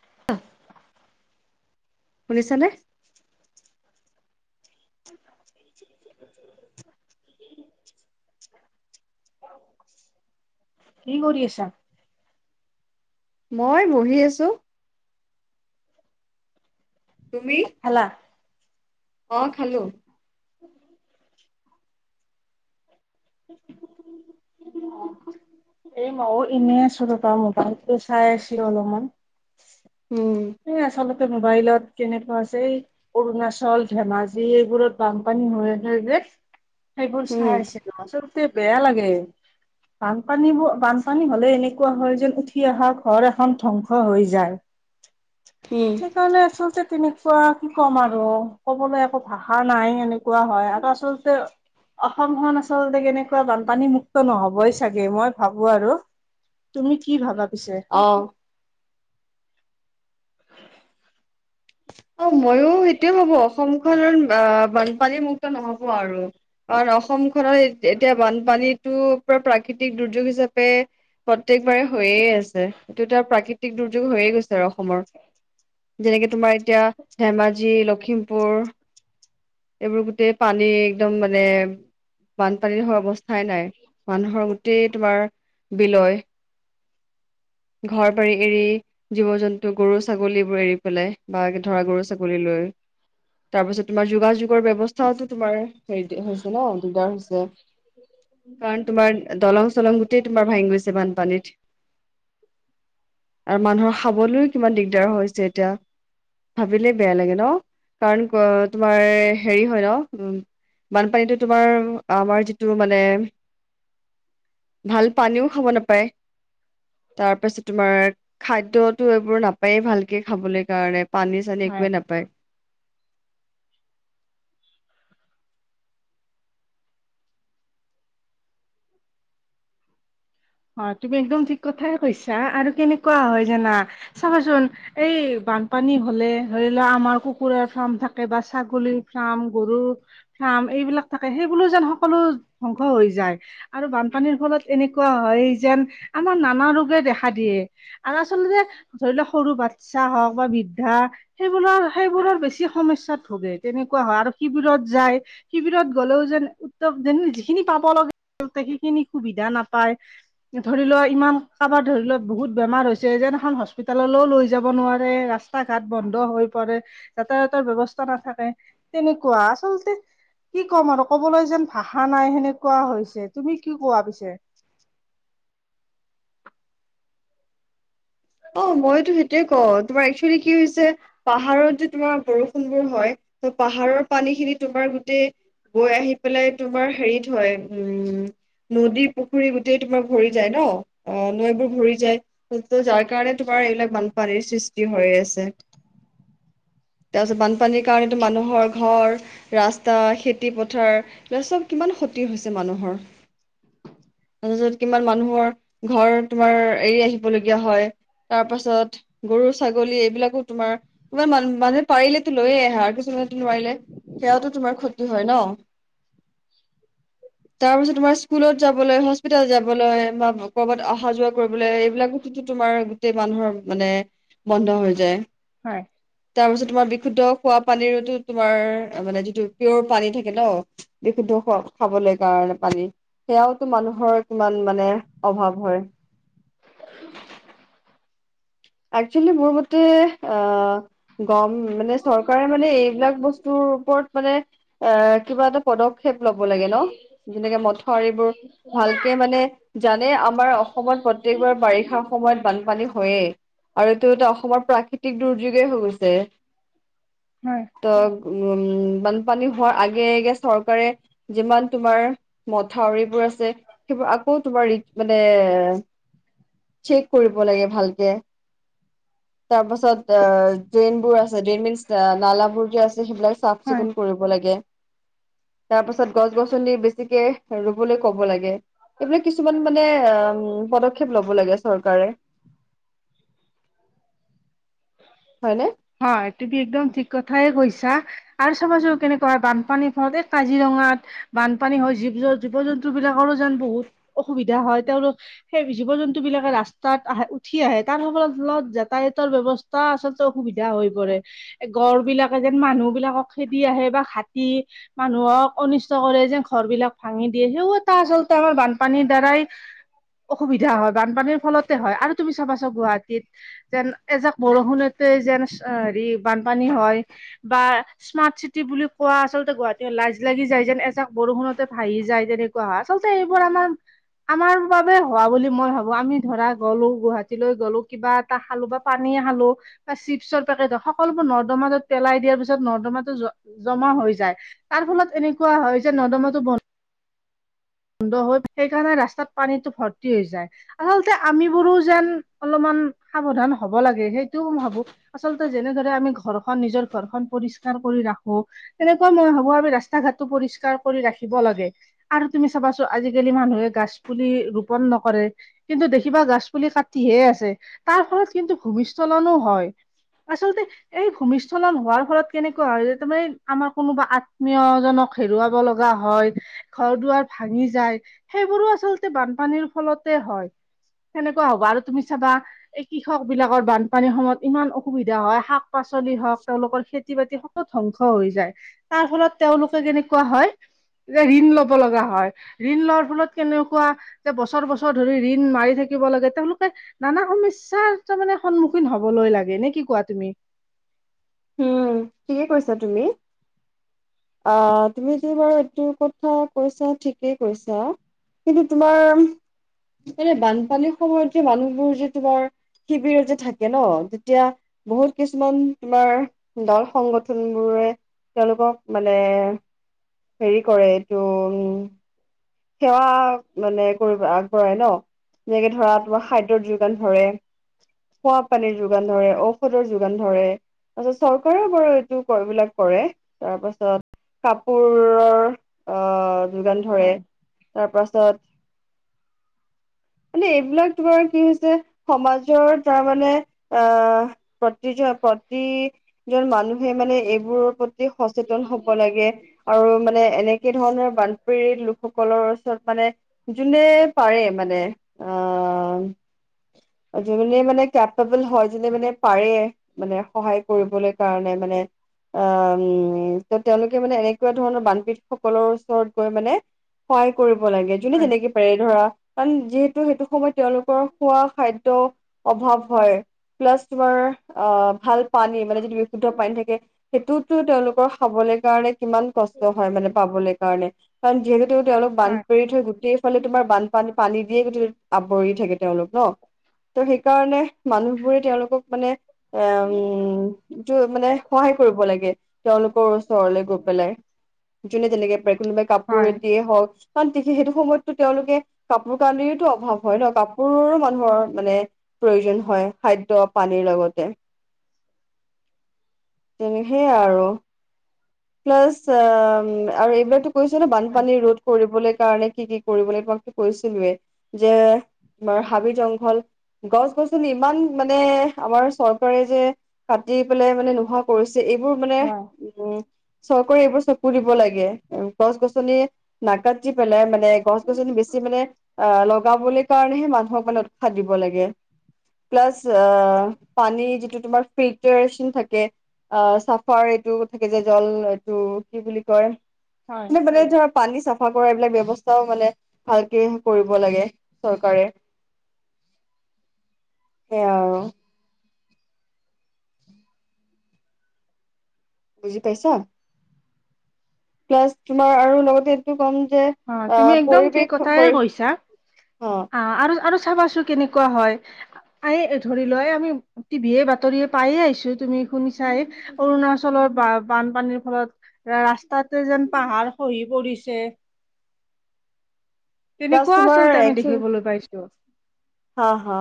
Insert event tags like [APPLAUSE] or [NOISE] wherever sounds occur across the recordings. [INAUDIBLE] শুনিছনে? [INAUDIBLE] কি কৰি আছা? মই বহি আছো। তুমি ভাত খালা? অঁ, খালো। [INAUDIBLE] এই ময়ও এনে আছো, তাৰপৰা মোবাইটোলো চাই আছিলো অলপমান। উম। এ, আচলতে মোবাইলত কেনেকুৱা আছে অৰুণাচল, ধেমাজি এইবোৰত বানপানী হৈ আছে যে। সেইবোৰ চাই উম আছিলো, আচলতে বেয়া লাগে। বানপানীবোৰ বানপানী হলে এনেকুৱা হয় যেন, উঠি অহা ঘৰ এখন ধ্বংস হৈ যায়। হম। সেইটো কাৰণে আচলতে তেনেকুৱা কি ক'ম আৰু, ক'বলৈ একো ভাষা নাই এনে কোৱা হয়। আৰু আচলতে অসমখন আচলতে কেনেকুৱা বানপানী মুক্ত নহবই চাগে, মই ভাবো আৰু। তুমি কি ভাবা পিছে? অঁ [UNINTELLIGIBLE] অ ময়ো সেইটোৱে ভাবো অসমখন আহ বানপানী মুুক্ত নহব আৰু কাৰণ অসমখনৰ এত এতিয়া বানপানীতো পুৰা প্ৰাকৃতিক দুৰ্যোগ হিচাপে প্ৰত্যেকবাৰে হৈয়ে আছে এইটো এটা প্ৰাকৃতিক দুৰ্যোগ হৈয়ে গৈছে ধৰা অসমৰ যেনেকে তোমাৰ এতিয়া ধেমাজি লখিমপুৰ এইবোৰ গোটেই পানী একদম মানে বানপানীৰ হৈ অৱস্থাই নাই মানুহৰ গোটেই তোমাৰ বিলৈয় ঘৰ বাৰী এৰি জীৱ জন্তু গৰু ছাগলীবোৰ এৰি পেলাই বা ধৰা গৰু ছাগলী লৈ তাৰ পিছত তোমাৰ যোগাযোগৰ বৱস্থাও তোমাৰ হেৰি হৈছে ন দিগদাৰ হৈছে কাৰণ তোমাৰ দলং চলং গোটেই তোমাৰ ভাঙি গৈছে বানপানীত আৰু মানুহৰ খাবলৈও কিমান দিগদাৰ হৈছে এতিয়া ভাবিলে বেয়া লাগে ন কাৰণ ক তোমাৰ হেৰি হয় ন উ বানপানীটো তোমাৰ আমাৰ যিটো মানে ভাল পানীও খাব নাপায় তাৰ পাছত তোমাৰ খাদ্যতো এইবোৰ নাপায় ভালকে খাবলে কাৰণে পানী চানী হয়। একোৱে নাপায় [INAUDIBLE] অ তুমি একদম ঠিক কথাই কৈছা আৰু কেনেকুৱা হয় জানা চাবাচোন এই বানপানী হলে ধৰি লোৱা আমাৰ কুকুৰাৰ ফাৰ্ম থাকে বা ছাগলীৰ ফাৰ্ম গৰুৰ ফাৰ্ম এইবিলাক থাকে সেইবোলো যেন সকলো ধ্বংস হৈ যায় আৰু বানপানীৰ ফলত এনেকুৱা হয় যেন আমাৰ নানা ৰোগে দেখা দিয়ে আৰু আচলতে ধৰি লওক সৰু বাচ্ছা হওক বা বৃদ্ধা সেইবোৰৰ সেইবোৰৰ বেছি সমস্যাত ভোগে তেনেকুৱা হয় আৰু শিবিৰত যায় শিবিৰত গলেও যেন উত্ত যেন যিখিনি পাব লগা আছে সেইখিনি সুবিধা নাপায় ধৰি লোৱা ইমান কাবাৰ ধৰি লোৱা বহুত বেমাৰ হৈছে যেনখন হস্পিতললৈও লৈ যাব নোৱাৰে ৰাস্ত স্তা ঘাট বন্ধ হৈ পৰে যাতায়াতৰ ব্যৱস্থা নাথাকে তেনেকুৱা আচলতে কি ক'ম আৰু কবলৈ যেন ভাষা নাই সেনেকুৱা হৈছে তুমি কি কোৱা পিছে অ মইতো সেইটোয়ে কও তোমাৰ একচুৱেলি কি হৈছে পাহাৰত যে তোমাৰ বৰষুণ বোৰ হয় ত পাহাৰৰ পানী খিনি তোমাৰ গোটেই গৈ আহি পেলাই তোমাৰ হেৰিত হয় উম নদী পুখুৰী গোটেই তোমাৰ ভৰি যায় ন অ নৈবোৰ ভৰি যায় [UNINTELLIGIBLE] সেই কাৰণে তোমাৰ এইবিলাক বানপানীৰ সৃষ্টি হৈ আছে তাৰপিছত বানপানীৰ কাৰণেতো মানুহৰ ঘৰ ৰাস্তা খেতি পথাৰ এই চব কিমান ক্ষতি হৈছে মানুহৰ তাজত কিমান মানুহৰ ঘৰ তোমাৰ এৰি আহিবলগীয়া হয় তাপাছত গৰু ছাগলী এইবিলাকো তোমাৰ ইমান মান মানুহে পাৰিলেতো লৈয়ে আহে আৰু কিছুমানেটো নোৱাৰিলে সেয়াওটো তোমাৰ ক্ষতি হয় ন তাৰ পাছত তোমাৰ স্কুলত যাবলৈ হস্পিতাল যাবলৈ বা কৰ'বাত অহা যোৱা কৰিবলৈ এইবিলাক টোতো তোমাৰ গোটেই মানুহৰ মানে বন্ধ হৈ যায় হয় তাৰ পিছত তোমাৰ বিশুদ্ধ খোৱা পানীতো তোমাৰ মানে যিটো পিয়ৰ পানী থাকে ন বিশুদ্ধ খোৱা খাবলৈ কাৰণে পানী সেয়াওতো মানুহৰ কিমান মানে অভাৱ হয়। একচুৱেলি মোৰ মতে আহ গম মানে চৰকাৰে মানে এইবিলাক বস্তুৰ ওপৰত মানে এ কিবা এটা পদক্ষেপ লব লাগে ন যেনেকে মথাওৰিবোৰ ভালকে মানে জানে আমাৰ অসমত প্ৰতেক্যবাৰ বাৰিষাৰ সময়ত বানপানী হয়ে। আৰু এইটো এটা অসমৰ প্ৰাকৃতিক দুৰ্যোগে হৈ গৈছে। হয়। ত' উম বানপানী হোৱাৰ আগে আগে চৰকাৰে যিমান তোমাৰ মথাউৰিবোৰ আছে। সেইবোৰ আকৌ তোমাৰ ইক মানে চেক কৰিব লাগে ভালকে। তাৰ পাছত অ ড্ৰেইনবোৰ আছে, ড্ৰেইন মিনচ নালাবোৰ যে আছে সেইবিলাক চাফ - হয় চিকুণ কৰিব লাগে। তাৰ পাছত গছ - গছনি বেছিকে ৰুবলৈ ক'ব লাগে। এইবিলাক কিছুমান মানে অম পদক্ষেপ ল'ব লাগে চৰকাৰে। হয়নে? হয়, তুমি একদম ঠিক কথাই কৈছা আৰু চাবচোন কেনে পুৱাই বানপানী হওঁতে কাজিৰঙাত বানপানী হয় জীৱ জ জীৱ জন্তুবিলাকৰো যেন বহু অসুবিধা হয় তেওঁলোক সেই জীৱ জন্তুবিলাকে ৰাস্তাত আহে উঠি আহে তাৰ সকল ফলত যাতায়াতৰ ব্যৱস্থা আচলত ত অসুবিধা হৈ পৰে গড়বিলাকে যেন মানুহবিলাকক খেদি আহে বা হাতী মানুহক অনিষ্ট কৰে যেন ঘৰবিলাক ভাঙি দিয়ে সেই এটা আচলতে আমাৰ বানপানীৰ দ্বাৰাই অসুবিধা হয়, বানপানীৰ ফলতে হয় আৰু তুমি চাবাচোন গুৱাহাটীত যেন এজাক বৰষুণতে যেন এচ এ হেৰি বানপানী হয় বা স্মাৰ্ট চিটি বুলি কোৱা আচলতে গুৱাহাটী লাজ লাগি যায় যেন এজাক বৰষুণতে ভাহি যায় যেনে কোৱা আচলতে এইবোৰ আমাৰ আমাৰ বাবে হোৱা বুলি মই ভাবোঁ, আমি ধৰা গ'লো গুৱাহাটীলৈ গ'লো কিবা এটা খালোঁ বা পানীয়ে খালোঁ। বা চিপছৰ পেকেট সকলোবোৰ নৰ্দমাত পেলাই দিয়াৰ পিছত নৰ্দমাটো জ জমা হৈ যায়। তাৰ ফলত এনেকুৱা হয় যে নৰ্দমাটো বন বন্ধ হৈ সেইকাৰণে ৰাস্তাত পানীটো ভৰ্তি হৈ যায়। আচলতে আমিবোৰো যেন অলপমান সাৱধান হ'ব লাগে সেইটোও ভাবোঁ। আচলতে যেনেদৰে আমি ঘৰখন নিজৰ ঘৰখন পৰিষ্কাৰ কৰি ৰাখোঁ। তেনেকুৱা মই ভাবোঁ আমি ৰাস্তা ঘাটতো পৰিষ্কাৰ কৰি ৰাখিব লাগে। আৰু তুমি চাবাছো আজিকালি মানুহে গাছ পুলি ৰোপন নকৰে। কিন্তু দেখিবা গাছ পুলি কাটিহে আছে তাৰ ফলত কিন্তু ভূমিস্খলনো হয়। আচলতে এই ভূমিস্খলন হোৱাৰ ফলত কেনেকুৱা হয় যে তোমাৰ এ আমাৰ কোনোবা আত্মীয়জনক হেৰুৱাব লগা হয় ঘৰ - দুৱাৰ ভাঙি যায় সেইবোৰো আচলতে বানপানীৰ ফলতে হয়। সেনেকুৱা হ'ব আৰু তুমি চাবা এই কৃষকবিলাকৰ বানপানীৰ সময়ত ইমান অসুবিধা হয় শাক পাচলি হওঁক, তেওঁলোকৰ খেতি বাতিও অ ধ্বংস হৈ যায় তাৰ ফলত তেওঁলোকে কেনেকুৱা হয় যে ঋণ ল'ব লগা হয়, ঋণ লোৱাৰ ফলত কেনেকুৱা যে বছৰ বছৰ ধৰি ঋণ মাৰি থাকিব লাগে তেওঁলোকে নানা সমস্যাৰ তাৰ মানে সন্মুখীন হ'বলৈ লাগে নে কি কোৱা তুমি? উম, ঠিকে কৈছা তুমি। আ তুমি যি বাৰু এইটো কথা কৈছা ঠিকেই কৈছা। কিন্তু, তোমাৰ এনেই বানপানীৰ সময়ত যে মানুহবোৰ যে তোমাৰ- শিবিৰতে থাকে ন তেতিয়া বহুত কিছুমান তোমাৰ- দল সংগঠন বোৰে তেওঁলোকক মানে- হেৰি কৰে, এইটো উম- সেৱা মানে কৰিব আগবঢ়াই ন। যেনেকে ধৰা, তোমাৰ খাদ্যৰ যোগান ধৰে। খোৱ পানীৰ যোগান ধৰে ঔষধৰ যোগান ধৰে। পাছত চৰকাৰে বাৰু এইটো কৰিবলৈ কৰে। তাৰ পাছত- কাপোৰৰ অ' যোগান ধৰে। হয়। তাৰপাছত- মানে এইবিলাক তোমাৰ কি হৈছে, সমাজৰ তাৰমানে আহ- প্ৰতিজ প্ৰতি- জন মানুহে মানে এইবোৰৰ প্ৰতি সচেতন হব লাগে। আৰু মানে এনেকে ধৰণৰ বানপীড়িত লোক- সকলৰ ওচৰত মানে যোনে পাৰে মানে, আহ- যোনে মানে কেপবল হয়, যোনে মানে পাৰে- মানে সহায় কৰিবলৈ কাৰণে মানে, - আ উম ত' তেওঁলোকে মানে এনেকুৱা ধৰণৰ বানপীড়িতসকলৰ ওচৰত গৈ মানে- সহায় কৰিব লাগে। যোনে হয়, যেনেকে পাৰে ধৰা কাৰণ, যিহেতু সেইটো সময়ত- তেওঁলোকৰ খোৱা খাদ্য অভাৱ হয়, প্লাছ তোমাৰ- অ' ভাল পানী মানে যিটো বিশুদ্ধ পানী থাকে, সেইটোতো তেওঁলোকৰ খাবলে কাৰণে- কিমান কষ্ট হয় মানে পাবলে কাৰণে। কাৰণ, যিহেতু তেওঁলোক বানপীড়িত হয় গোটেই ফালে তোমাৰ বান- পানী পানী দিয়েই পৃথিৱিত আৱৰি থাকে তেওঁলোক ন। ত' সেইকাৰণে মানুহবোৰে তেওঁলোকক মানে- এ অঁ, উম টো মানে সহায় কৰিব লাগে, তেওঁলোকৰ ওচৰলে গৈ পেলাই। যোনে যেনেকে পাৰে কোনোবাই কাপোৰ হয়। এটিয়ে হওক, কাৰণ সেইটো সময়ততো তেওঁলোকে- কাপোৰ কানিৰতো অভাৱ হয় ন, কাপ- পোৰৰো মানুহৰ মানে প্ৰয়োজন হয়, খাদ্য পানীৰ লগতে। তেনে সেইয়া আৰু। প্লাছ অ আৰু এইবিলাকতো কৈছে ন হয়। বানপানীৰ ৰোধ- কৰিবলৈ কাৰণে কি কি কৰিবলৈ তোমাকটো কৈছিলোয়ে। যে- তোমাৰ হাবি জংঘল- গছ গছনি ইমান মানে, আমাৰ চৰকাৰে যে কাটি পেলাই মানে নোহোৱা- কৰিছে। এইবোৰ মানে হয়, উম চৰকাৰে এইবোৰ চকু দিব লাগে। গছ গছনি- নাকাটি পেলাই মানে, গছ গছ বেছি মানে- অ লগাবলে কাৰণেহে মানুহক মানে উৎসাহ দিব লাগে। প্লাছ- ধৰা, পানী যিটো তোমাৰ ফিল্টাৰেচন থাকে- অ চাফাৰ এইটো থাকে যে জল এইটো কি বুলি কয়? হয়। মানে মানে ধৰা পানী চাফা কৰা এইবিলাক ব্যৱস্থাও মানে ভালকে কৰিব লাগে চৰকাৰে। সেইয়া আৰু। বুজি পাইছা? প্লাছ তোমাৰ আৰু লগতে এইটো ক'ম যে, - অঁ' তুমি একদম ঠিক কথাই কৈছা। অ অঁ, আৰু আৰু চাবাচোন- কেনেকুৱা হয়? আ এ ধৰি লোৱা, আমি টিভিয়ে বাতৰিয়ে পাইয়ে আহিছো তুমি শুনিছাই। অৰুণাচলৰ বা বানপানীৰ ফলত ৰাস্তাতে যেন পাহাৰ খহি পৰিছে। প্লাছ তেনেকুৱা তোমাৰ আচলতে আমি একচুৱেলি দেখিবলৈ পাইছো। হা, হা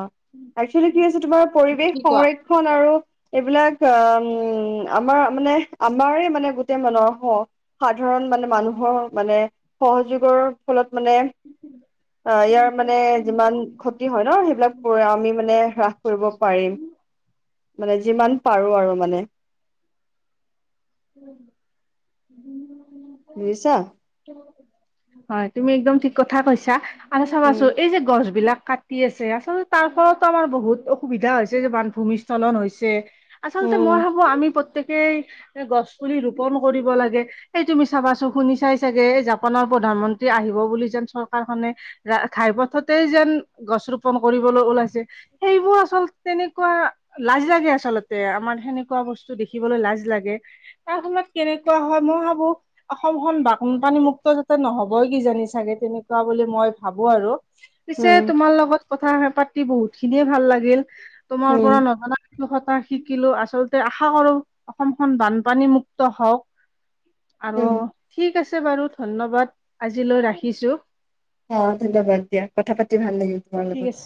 একচুৱেলি ক হৈছে, তোমাৰ পৰিৱেশ তেনেকুৱা সংৰক্ষণ আৰু এইবিলাক আ আমাৰ মানে আমাৰে মানে গোটেই মানৰ হ। সাধাৰণ মানে মানুহৰ মানে সহযোগৰ ফলত মানে, ইয়াৰ মানে যিমান যি হয় ন, সেইবিলাক আমি মানে হ্ৰাস কৰিব পাৰিম। মানে যিমান পাৰো আৰু মানে। [UNINTELLIGIBLE] বুজিছা? হয়' তুমি একদম ঠিক কথা কৈছা, আৰু উম চাবাচোন এই যে গছ বিলাক কাট -টি আছে আচলতে তাৰ ফলতো আমাৰ বহুত অসুবিধা হৈছে যে, বান ভূমিস্খলন হৈছে। আচলতে উম মই ভাবো আমি প্ৰত্যেকেই, গছ পুলি ৰোপন কৰিব লাগে। এই তুমি চাবাচোন শুনি চাই চাগে, জাপানৰ প্ৰধানমন্ত্ৰী আহিব বুলি যেন চৰকাৰখনে ঘাইপথতেই যেন গছ ৰোপন কৰিবলৈ ওলাইছে। সেইবোৰ আচলতে তেনেকুৱা লাজ লাগে আচলতে, আমাৰ সেনেকুৱা বস্তু দেখিবলৈ লাজ লাগে। তাৰ সময়ত কেনেকুৱা হয়, মই ভাবো অসমখন বানপানী মুুক্ত যাতে নহবই কি জানি চাগে, তেনেকুৱা বুলি মই ভাবো আৰু। পিছে উম তোমাৰ লগত কথা পাতি বহুত খিনিয়ে ভাল লাগিল। তোমাৰ উম পৰা নজনা কথা শিকিলো, আচলতে আশা কৰো অসমখন বানপানী মুক্ত হওঁক। আৰু উম ঠিক আছে বাৰু ধন্যবাদ আজিলৈ ৰাখিছোঁ। অ ধন্যবাদ দিয়া, কথা পাতি ভাল লাগিল তোমাৰ ঠিক লগত। আছে।